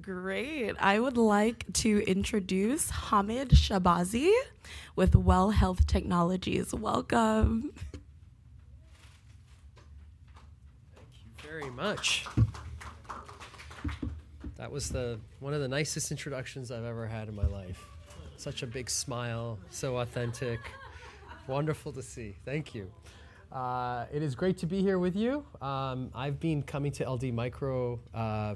Great! I would like to introduce Hamed Shahbazi with WELL Health Technologies. Welcome. Thank you very much. That was the one of the nicest introductions I've ever had in my life. Such a big smile, so authentic. Wonderful to see. Thank you. It is great to be here with you. I've been coming to LD Micro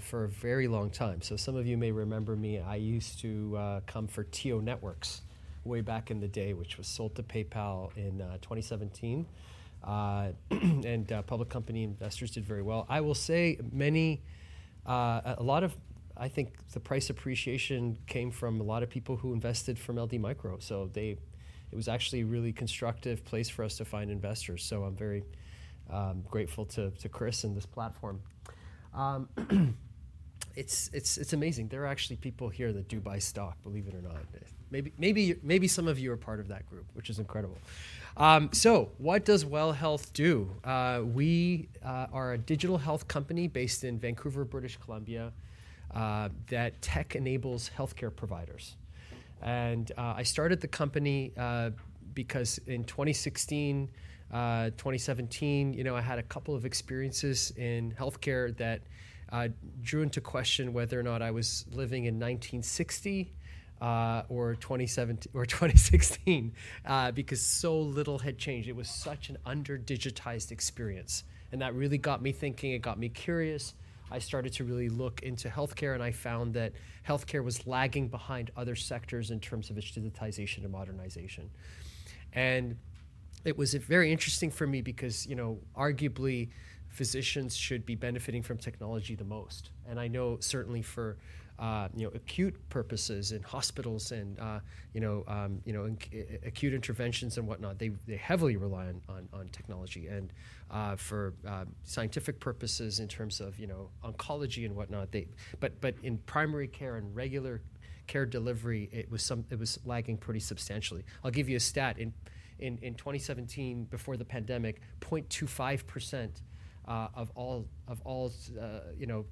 for a very long time, so some of you may remember me. I used to come for TIO Networks way back in the day, which was sold to PayPal in 2017. Public company investors did very well. I will say many, a lot of, I think, the price appreciation came from a lot of people who invested from LD Micro, so it was actually a really constructive place for us to find investors, so I'm very grateful to Chris and this platform. It's amazing. There are actually people here that do buy stock, believe it or not. Maybe, maybe, maybe some of you are part of that group, which is incredible. So what does WELL Health do? We are a digital health company based in Vancouver, British Columbia, that tech-enables healthcare providers. I started the company because in 2016, 2017, you know, I had a couple of experiences in healthcare that drew into question whether or not I was living in 1960, or 27 or 2016, because so little had changed. It was such an under-digitized experience, and that really got me thinking. It got me curious. I started to really look into healthcare, and I found that healthcare was lagging behind other sectors in terms of its digitization and modernization. And it was very interesting for me because, you know, arguably, physicians should be benefiting from technology the most, and I know certainly for, you know, acute purposes in hospitals and, you know, acute interventions and whatnot, they heavily rely on technology and for scientific purposes in terms of, you know, oncology and whatnot, they... But in primary care and regular care delivery, it was lagging pretty substantially. I'll give you a stat. In 2017, before the pandemic, 0.25% of all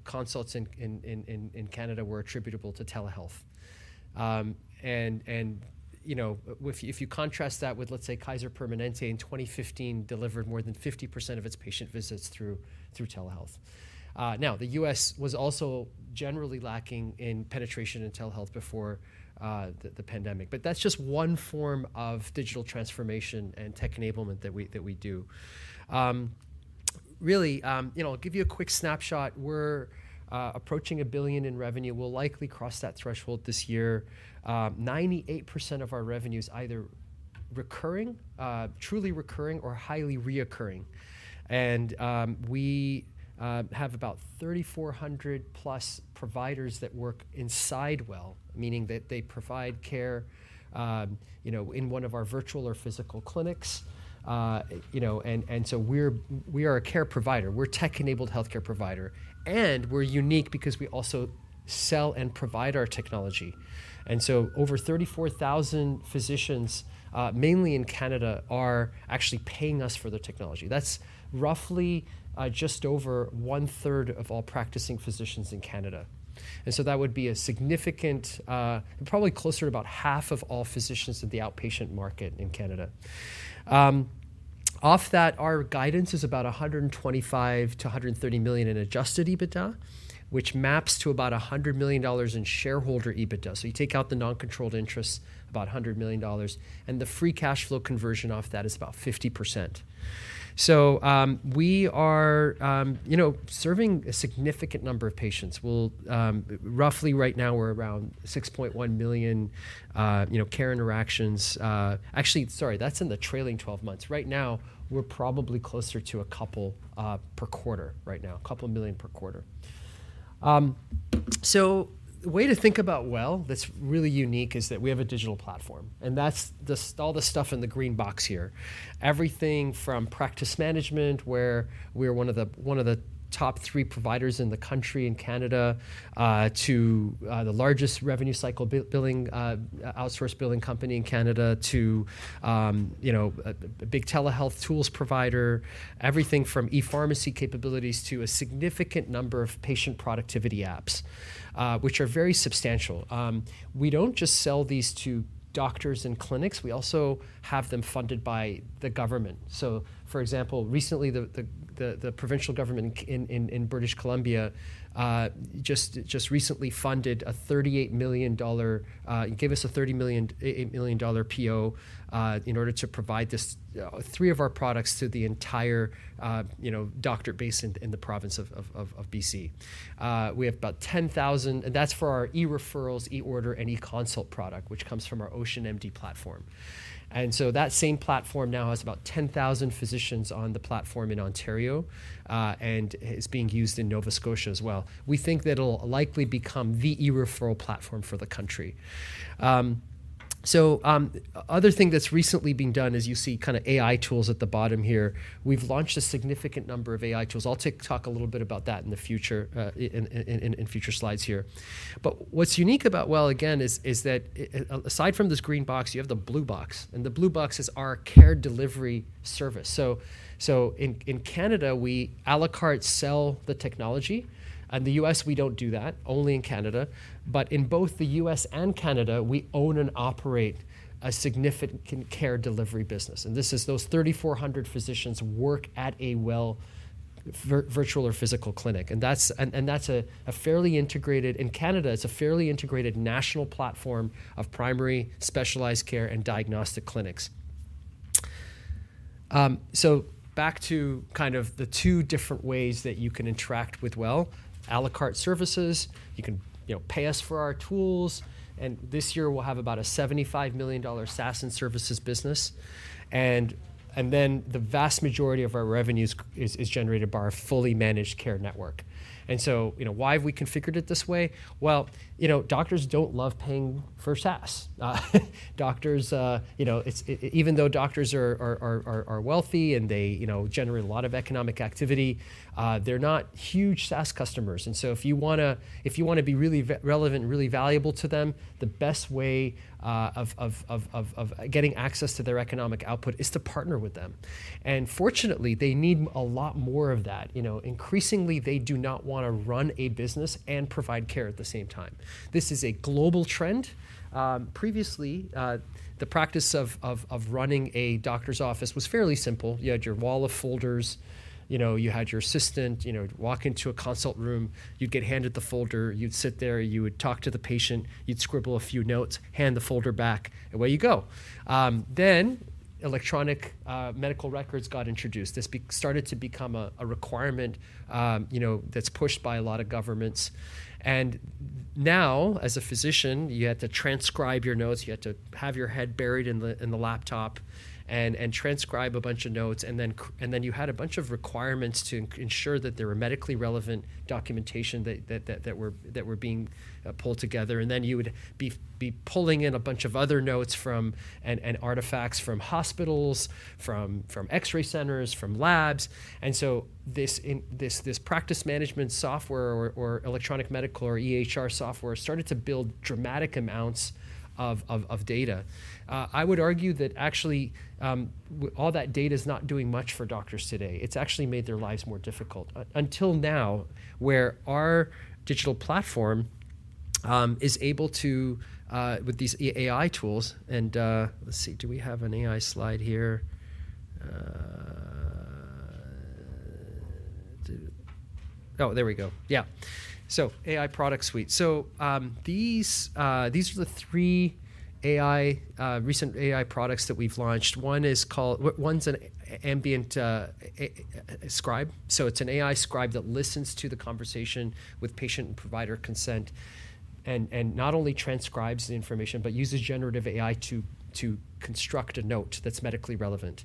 consults in Canada were attributable to telehealth. And, you know, if you contrast that with, let's say, Kaiser Permanente in 2015, delivered more than 50% of its patient visits through telehealth. Now, the U.S. was also generally lacking in penetration in telehealth before the pandemic, but that's just one form of digital transformation and tech enablement that we do. Really, you know, I'll give you a quick snapshot. We're approaching 1 billion in revenue. We'll likely cross that threshold this year. 98% of our revenue is either recurring, truly recurring or highly recurring, and we have about 3,400+ providers that work inside WELL, meaning that they provide care, you know, in one of our virtual or physical clinics. You know, and so we're - we are a care provider. We're a tech-enabled healthcare provider, and we're unique because we also sell and provide our technology. And so over 34,000 physicians, mainly in Canada, are actually paying us for the technology. That's roughly, just over one-third of all practicing physicians in Canada. And so that would be a significant, and probably closer to about half of all physicians in the outpatient market in Canada. Off that, our guidance is about 125 million-130 million in adjusted EBITDA, which maps to about 100 million dollars in shareholder EBITDA. So you take out the non-controlling interests, about 100 million dollars, and the free cash flow conversion off that is about 50%. So, we are, you know, serving a significant number of patients. Well, roughly right now, we're around 6.1 million, you know, care interactions. Actually, sorry, that's in the trailing twelve months. Right now, we're probably closer to a couple per quarter right now, a couple million per quarter. So the way to think about WELL, that's really unique, is that we have a digital platform, and that's all the stuff in the green box here. Everything from practice management, where we are one of the top three providers in the country, in Canada, to the largest revenue cycle billing outsource billing company in Canada, to, you know, a big telehealth tools provider, everything from ePharmacy capabilities to a significant number of patient productivity apps, which are very substantial. We don't just sell these to doctors and clinics; we also have them funded by the government. So for example, recently, the provincial government in British Columbia just recently funded a 38 million dollar—gave us a 30 million dollar PO in order to provide these three of our products to the entire you know doctor base in the province of BC. We have about 10,000. That's for our e-referrals, e-order, and e-consult product, which comes from our OceanMD platform. And so that same platform now has about 10,000 physicians on the platform in Ontario, and it's being used in Nova Scotia as well. We think that it'll likely become the e-referral platform for the country. So, other thing that's recently been done is you see kinda AI tools at the bottom here. We've launched a significant number of AI tools. I'll talk a little bit about that in the future, in future slides here. But what's unique about WELL is that, aside from this green box, you have the blue box, and the blue box is our care delivery service. So in Canada, we à la carte sell the technology. In the U.S., we don't do that, only in Canada. But in both the U.S. and Canada, we own and operate a significant care delivery business, and this is those 3,400 physicians work at a WELL...... Virtual or physical clinic, and that's a fairly integrated. In Canada, it's a fairly integrated national platform of primary, specialized care, and diagnostic clinics. So back to kind of the two different ways that you can interact with WELL: à la carte services, you can, you know, pay us for our tools, and this year we'll have about a 75 million dollar SaaS and services business. And then the vast majority of our revenues is generated by our fully managed care network. And so, you know, why have we configured it this way? Well, you know, doctors don't love paying for SaaS. Doctors, you know, it's even though doctors are wealthy and they, you know, generate a lot of economic activity, they're not huge SaaS customers. So if you wanna be really relevant and really valuable to them, the best way of getting access to their economic output is to partner with them. Fortunately, they need a lot more of that. You know, increasingly, they do not wanna run a business and provide care at the same time. This is a global trend. Previously, the practice of running a doctor's office was fairly simple. You had your wall of folders, you know, you had your assistant, you know, walk into a consult room, you'd get handed the folder, you'd sit there, you would talk to the patient, you'd scribble a few notes, hand the folder back, and away you go. Then electronic medical records got introduced. This started to become a requirement, you know, that's pushed by a lot of governments. And now, as a physician, you had to transcribe your notes, you had to have your head buried in the laptop and transcribe a bunch of notes, and then you had a bunch of requirements to ensure that there were medically relevant documentation that were being pulled together. And then you would be pulling in a bunch of other notes from and artifacts from hospitals, from X-ray centers, from labs. And so this practice management software or electronic medical or EHR software started to build dramatic amounts of data. I would argue that actually all that data is not doing much for doctors today. It's actually made their lives more difficult. Until now, where our digital platform is able to with these AI tools... And, let's see, do we have an AI slide here? Oh, there we go. Yeah. So AI product suite. So, these are the three AI recent AI products that we've launched. One is called-- One's an ambient scribe. So it's an AI scribe that listens to the conversation with patient and provider consent, and not only transcribes the information, but uses generative AI to construct a note that's medically relevant.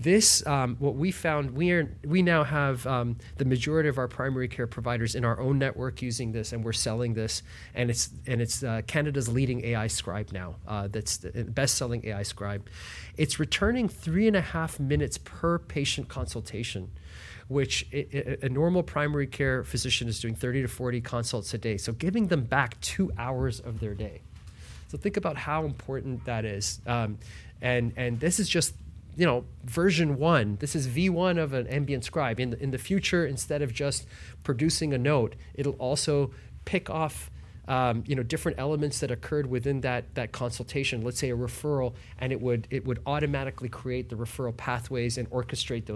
This, what we found, we now have the majority of our primary care providers in our own network using this, and we're selling this, and it's Canada's leading AI scribe now. That's the best-selling AI scribe. It's returning 3.5 minutes per patient consultation, which a normal primary care physician is doing 30-40 consults a day. So giving them back 2 hours of their day. So think about how important that is. And this is just, you know, version 1. This is V1 of an ambient scribe. In the future, instead of just producing a note, it'll also pick off, you know, different elements that occurred within that consultation, let's say a referral, and it would automatically create the referral pathways and orchestrate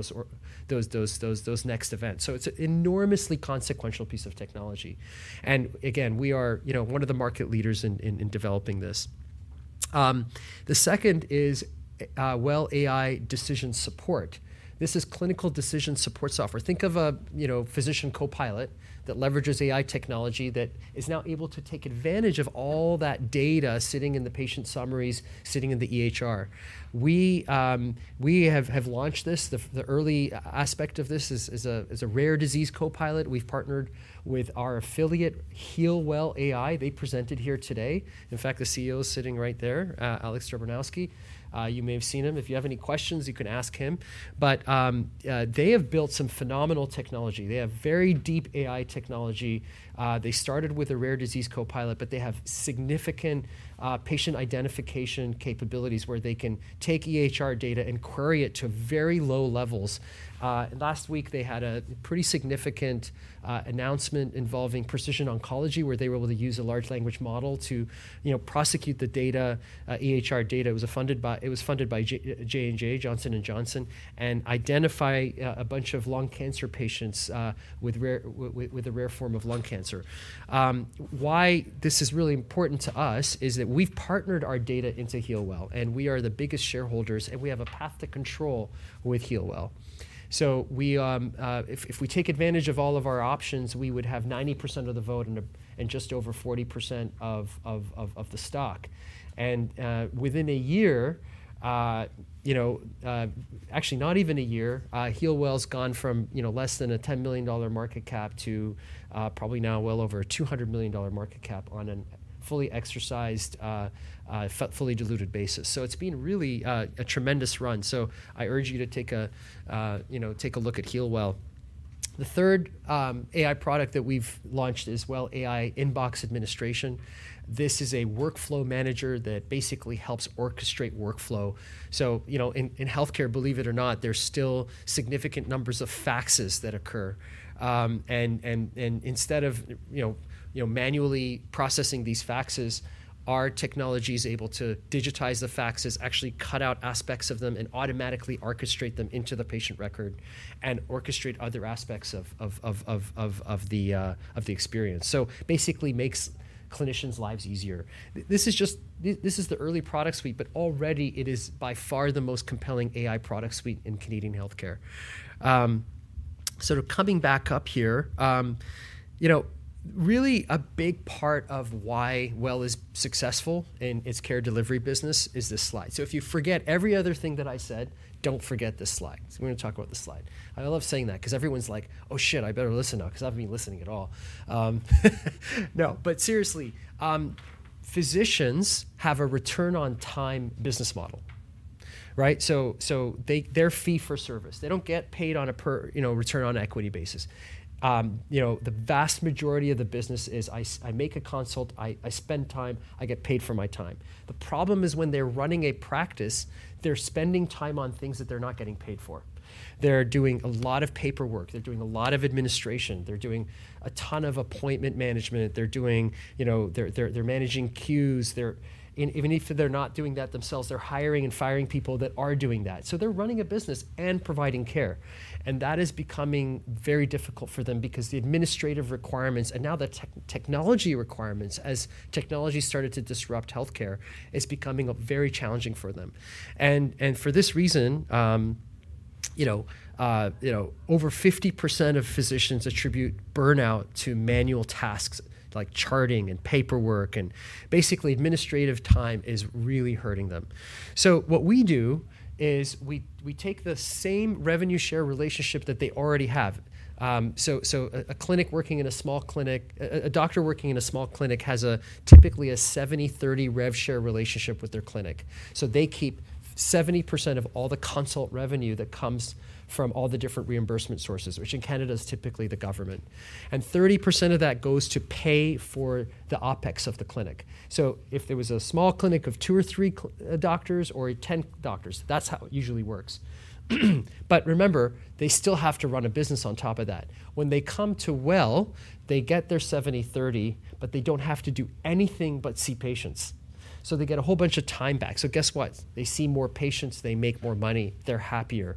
those next events. So it's an enormously consequential piece of technology. And again, we are, you know, one of the market leaders in developing this. The second is WELL AI Decision Support. This is clinical decision support software. Think of a, you know, physician copilot that leverages AI technology that is now able to take advantage of all that data sitting in the patient summaries, sitting in the EHR. We have launched this. The early aspect of this is a rare disease copilot. We've partnered with our affiliate, HEALWELL AI. They presented here today. In fact, the CEO is sitting right there, Alex Dobranowski. You may have seen him. If you have any questions, you can ask him. But they have built some phenomenal technology. They have very deep AI technology. They started with a rare disease copilot, but they have significant patient identification capabilities, where they can take EHR data and query it to very low levels. Last week, they had a pretty significant announcement involving precision oncology, where they were able to use a large language model to, you know, prosecute the data, EHR data. It was funded by J&J, Johnson & Johnson, and identify a bunch of lung cancer patients with a rare form of lung cancer. Why this is really important to us is that we've partnered our data into HEALWELL, and we are the biggest shareholders, and we have a path to control with HEALWELL. So if we take advantage of all of our options, we would have 90% of the vote and just over 40% of the stock. Within a year, you know, actually, not even a year, HEALWELL's gone from, you know, less than 10 million dollar market cap to, probably now well over 200 million dollar market cap on a fully diluted basis. So it's been really, a tremendous run. So I urge you to take a, you know, take a look at HEALWELL. The third AI product that we've launched is WELL AI Inbox Administration... this is a workflow manager that basically helps orchestrate workflow. So, you know, in healthcare, believe it or not, there's still significant numbers of faxes that occur. Instead of, you know, you know, manually processing these faxes, our technology is able to digitize the faxes, actually cut out aspects of them, and automatically orchestrate them into the patient record, and orchestrate other aspects of the experience. So basically makes clinicians' lives easier. This is just the early product suite, but already it is by far the most compelling AI product suite in Canadian healthcare. So coming back up here, you know, really a big part of why WELL is successful in its care delivery business is this slide. So if you forget every other thing that I said, don't forget this slide. So we're gonna talk about this slide. I love saying that 'cause everyone's like: "Oh, shit, I better listen now," 'cause I've been listening at all. No, but seriously, physicians have a return on time business model, right? So they-- they're fee for service. They don't get paid on a per, you know, return on equity basis. You know, the vast majority of the business is I make a consult, I spend time, I get paid for my time. The problem is when they're running a practice, they're spending time on things that they're not getting paid for. They're doing a lot of paperwork, they're doing a lot of administration, they're doing a ton of appointment management, you know, they're managing queues, and even if they're not doing that themselves, they're hiring and firing people that are doing that. So they're running a business and providing care, and that is becoming very difficult for them because the administrative requirements and now the technology requirements, as technology started to disrupt healthcare, is becoming very challenging for them. And for this reason, you know, you know, over 50% of physicians attribute burnout to manual tasks like charting and paperwork, and basically administrative time is really hurting them. So what we do is we take the same revenue share relationship that they already have. So a doctor working in a small clinic has typically a 70-30 rev share relationship with their clinic. So they keep 70% of all the consult revenue that comes from all the different reimbursement sources, which in Canada is typically the government, and 30% of that goes to pay for the OpEx of the clinic. If there was a small clinic of two or three doctors or 10 doctors, that's how it usually works. But remember, they still have to run a business on top of that. When they come to WELL, they get their 70-30, but they don't have to do anything but see patients. So they get a whole bunch of time back. So guess what? They see more patients, they make more money, they're happier.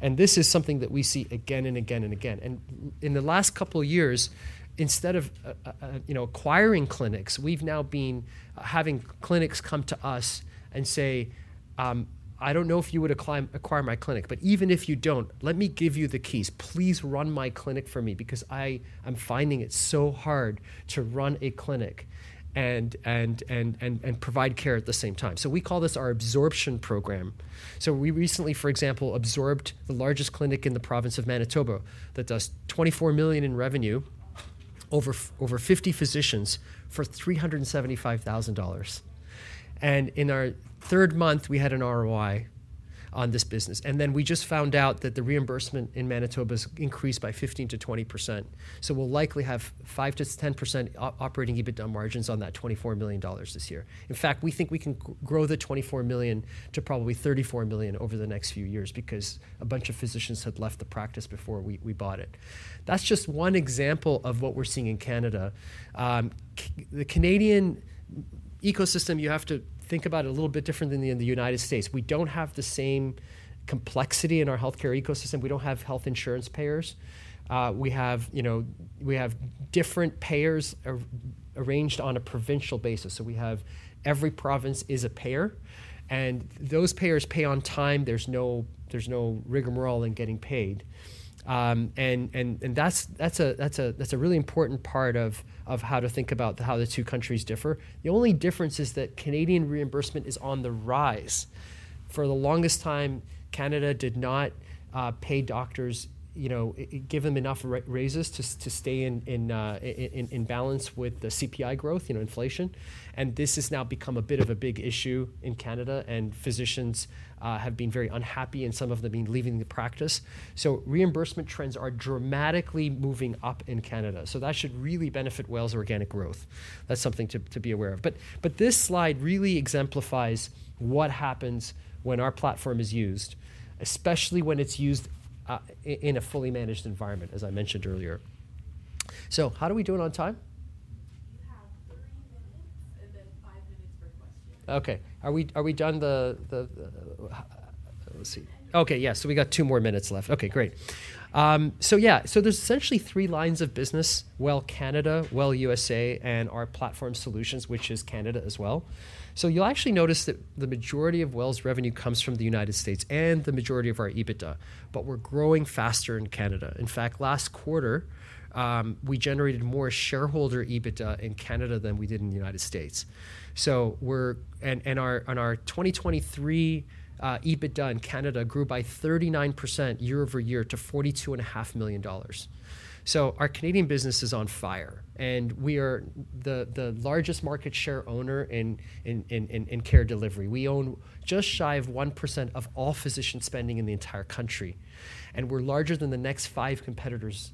And this is something that we see again and again, and again. In the last couple of years, instead of, you know, acquiring clinics, we've now been having clinics come to us and say: "I don't know if you would acquire my clinic, but even if you don't, let me give you the keys. Please run my clinic for me, because I am finding it so hard to run a clinic and provide care at the same time." We call this our absorption program. We recently, for example, absorbed the largest clinic in the province of Manitoba that does 24 million in revenue, over 50 physicians, for 375,000 dollars. In our third month, we had an ROI on this business, and then we just found out that the reimbursement in Manitoba is increased by 15%-20%. So we'll likely have 5%-10% operating EBITDA margins on that 24 million dollars this year. In fact, we think we can grow the 24 million to probably 34 million over the next few years because a bunch of physicians had left the practice before we, we bought it. That's just one example of what we're seeing in Canada. The Canadian ecosystem, you have to think about it a little bit different than in the United States. We don't have the same complexity in our healthcare ecosystem, we don't have health insurance payers. We have, you know, we have different payers arranged on a provincial basis. So we have every province is a payer, and those payers pay on time. There's no, there's no rigmarole in getting paid. That's a really important part of how to think about how the two countries differ. The only difference is that Canadian reimbursement is on the rise. For the longest time, Canada did not pay doctors, you know, give them enough raises to stay in balance with the CPI growth, you know, inflation, and this has now become a bit of a big issue in Canada, and physicians have been very unhappy, and some of them have been leaving the practice. So reimbursement trends are dramatically moving up in Canada. So that should really benefit WELL's organic growth. That's something to be aware of. But, this slide really exemplifies what happens when our platform is used, especially when it's used in a fully managed environment, as I mentioned earlier. So how are we doing on time? You have 3 minutes, and then 5 minutes for questions. Okay. Are we done? Let's see. Yeah. Okay, yeah. So we got two more minutes left. Okay, great. So yeah. So there's essentially three lines of business: WELL Canada, WELL USA, and our platform solutions, which is Canada as well. So you'll actually notice that the majority of WELL's revenue comes from the United States and the majority of our EBITDA, but we're growing faster in Canada. In fact, last quarter, we generated more shareholder EBITDA in Canada than we did in the United States. So we're, and our 2023 EBITDA in Canada grew by 39% year-over-year to 42.5 million dollars. So our Canadian business is on fire, and we are the largest market share owner in care delivery. We own just shy of 1% of all physician spending in the entire country, and we're larger than the next five competitors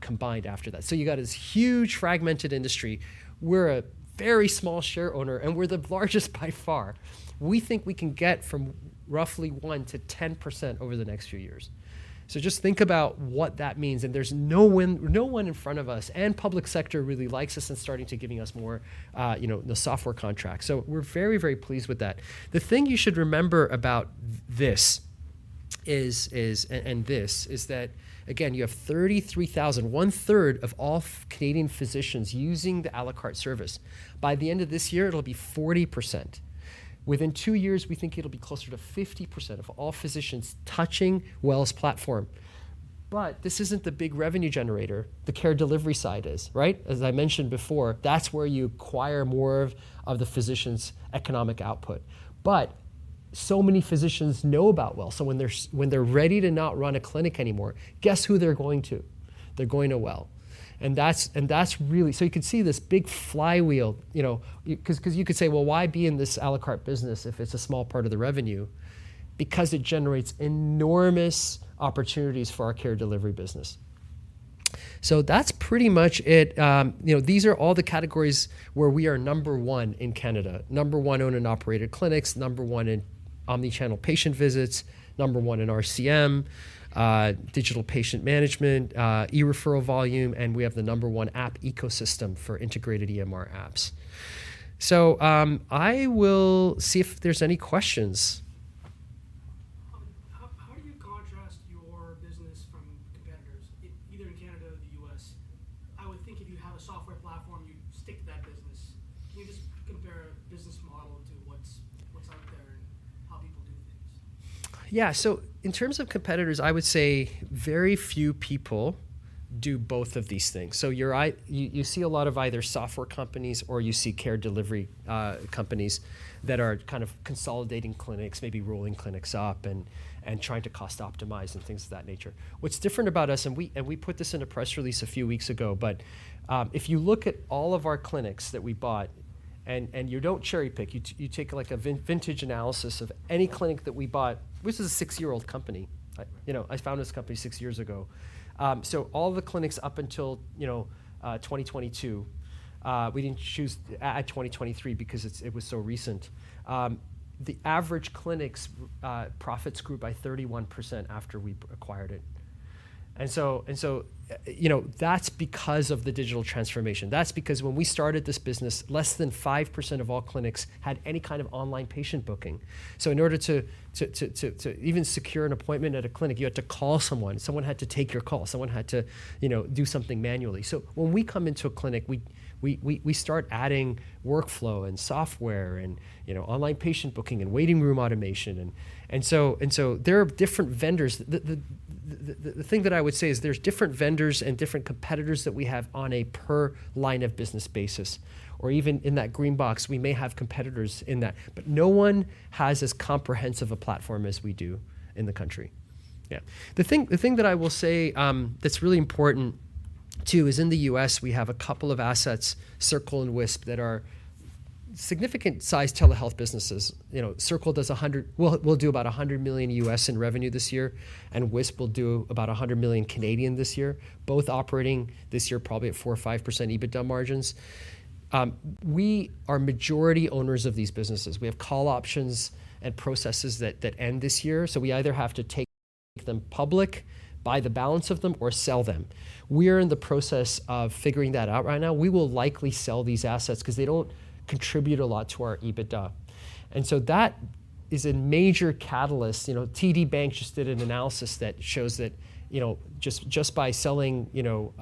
combined after that. So you've got this huge, fragmented industry. We're a very small share owner, and we're the largest by far. We think we can get from roughly 1%-10% over the next few years. So just think about what that means, and there's no one, no one in front of us, and public sector really likes us and starting to giving us more, you know, the software contracts. So we're very, very pleased with that. The thing you should remember about this is that, again, you have 33,000, one-third of all Canadian physicians using the à la carte service. By the end of this year, it'll be 40%. Within two years, we think it'll be closer to 50% of all physicians touching WELL's platform. But this isn't the big revenue generator, the care delivery side is, right? As I mentioned before, that's where you acquire more of the physician's economic output. But so many physicians know about WELL, so when they're ready to not run a clinic anymore, guess who they're going to? They're going to WELL, and that's really. So you can see this big flywheel, you know, 'cause you could say, "well, why be in this à la carte business if it's a small part of the revenue?" Because it generates enormous opportunities for our care delivery business. So that's pretty much it. You know, these are all the categories where we are number one in Canada. No. 1 owned and operated clinics, No. 1 in omni-channel patient visits, No. 1 in RCM, digital patient management, e-referral volume, and we have the No. 1 app ecosystem for integrated EMR apps. So, I will see if there's any questions. How do you contrast your business from competitors, in either Canada or the U.S.? I would think if you have a software platform, you'd stick to that business. Can you just compare a business model to what's out there and how people do things? Yeah. So in terms of competitors, I would say very few people do both of these things. So you see a lot of either software companies or you see care delivery companies that are kind of consolidating clinics, maybe rolling clinics up and trying to cost optimize and things of that nature. What's different about us, we put this in a press release a few weeks ago, but if you look at all of our clinics that we bought and you don't cherry-pick, you take, like, a vintage analysis of any clinic that we bought, this is a six-year-old company. You know, I found this company six years ago. So all the clinics up until, you know, 2022, we didn't choose at 2023 because it was so recent. The average clinic's profits grew by 31% after we acquired it, and so, and so, you know, that's because of the digital transformation. That's because when we started this business, less than 5% of all clinics had any kind of online patient booking. So in order to even secure an appointment at a clinic, you had to call someone. Someone had to take your call, someone had to, you know, do something manually. So when we come into a clinic, we start adding workflow and software and, you know, online patient booking and waiting room automation and, and so, and so there are different vendors. The thing that I would say is, there's different vendors and different competitors that we have on a per line of business basis, or even in that green box, we may have competitors in that, but no one has as comprehensive a platform as we do in the country. Yeah. The thing that I will say, that's really important too, is in the U.S., we have a couple of assets, Circle and Wisp, that are significant-sized telehealth businesses. You know, Circle will do about $100 million in revenue this year, and Wisp will do about 100 million this year. Both operating this year, probably at 4% or 5% EBITDA margins. We are majority owners of these businesses. We have call options and processes that end this year, so we either have to take them public, buy the balance of them, or sell them. We are in the process of figuring that out right now. We will likely sell these assets 'cause they don't contribute a lot to our EBITDA, and so that is a major catalyst. You know, TD Bank just did an analysis that shows that, you know, just by selling, you know,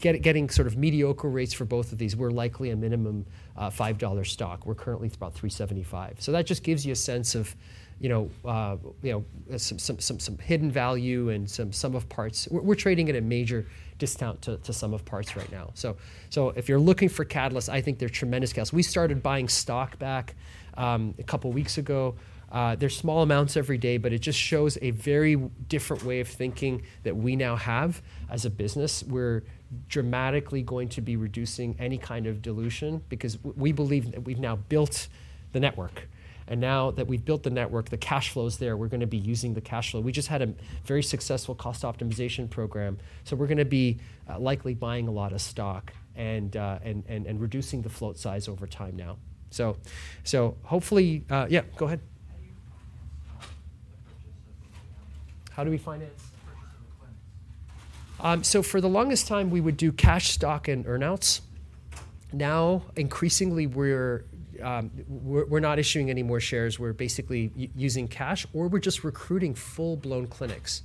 getting sort of mediocre rates for both of these, we're likely a minimum 5 dollar stock. We're currently about 3.75. So that just gives you a sense of, you know, some hidden value and some sum of parts. We're trading at a major discount to sum of parts right now. So if you're looking for catalysts, I think they're tremendous catalysts. We started buying stock back, a couple of weeks ago. They're small amounts every day, but it just shows a very different way of thinking that we now have as a business. We're dramatically going to be reducing any kind of dilution because we believe that we've now built the network. And now that we've built the network, the cash flow is there. We're gonna be using the cash flow. We just had a very successful cost optimization program, so we're gonna be likely buying a lot of stock and reducing the float size over time now. So hopefully, Yeah, go ahead. How do you finance the purchase of the clinics? How do we finance- The purchase of the clinics? So for the longest time, we would do cash, stock, and earn-outs. Now, increasingly, we're not issuing any more shares. We're basically using cash, or we're just recruiting full-blown clinics,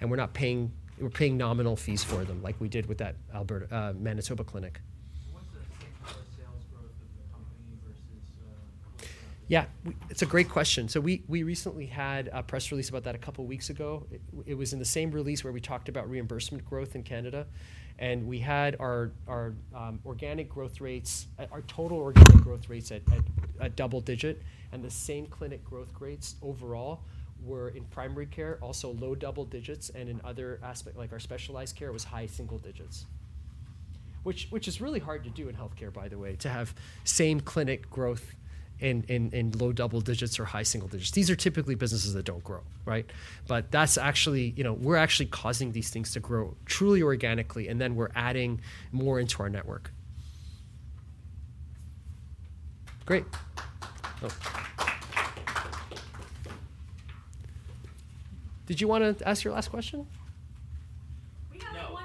and we're not paying. We're paying nominal fees for them, like we did with that Alberta, Manitoba clinic. What's the same-clinic sales growth of the company versus? Yeah, it's a great question. So we recently had a press release about that a couple of weeks ago. It was in the same release where we talked about reimbursement growth in Canada, and we had our organic growth rates, our total organic growth rates at double digit, and the same clinic growth rates overall were in primary care, also low double digits, and in other aspect, like our specialized care, was high single digits. Which is really hard to do in healthcare, by the way, to have same clinic growth in low double digits or high single digits. These are typically businesses that don't grow, right? But that's actually. You know, we're actually causing these things to grow truly organically, and then we're adding more into our network. Great. Did you wanna ask your last question? We have one-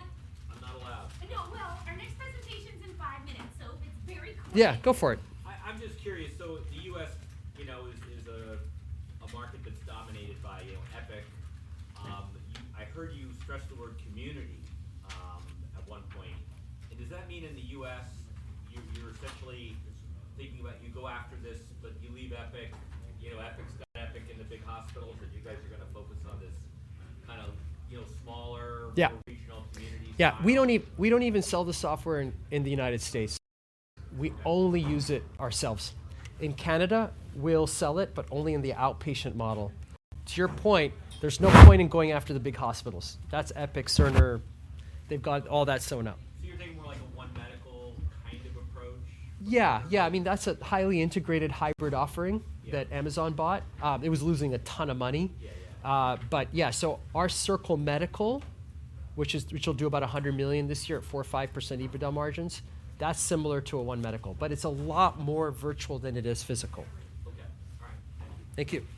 No, I'm not allowed. No, well, our next presentation is in 5 minutes, so if it's very quick. Yeah, go for it. I'm just curious: So the U.S., you know, is a market that's dominated by, you know, Epic. I heard you stress the word community at one point. And does that mean in the U.S., you're essentially thinking about you go after this, but you leave Epic, you know, Epic, still Epic in the big hospitals, but you guys are gonna focus on this kind of, you know, smaller- Yeah... regional community style? Yeah. We don't even sell the software in the United States. We only use it ourselves. In Canada, we'll sell it, but only in the outpatient model. To your point, there's no point in going after the big hospitals. That's Epic, Cerner. They've got all that sewn up. So you're thinking more like a One Medical kind of approach? Yeah, yeah. I mean, that's a highly integrated hybrid offering- Yeah... that Amazon bought. It was losing a ton of money. Yeah, yeah. but yeah, so our Circle Medical, which will do about $100 million this year at 4%-5% EBITDA margins, that's similar to One Medical, but it's a lot more virtual than it is physical. Okay. All right, thank you. Thank you.